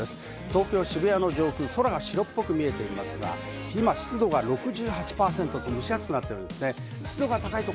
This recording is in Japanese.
東京・渋谷の上空、空が白っぽく見えていますが、湿度は６８％、蒸し暑くなっています。